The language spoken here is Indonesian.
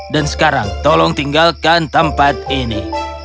dan sekarang tolong tinggalkan tempat ini